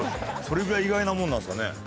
それぐらい意外なものなんですかね？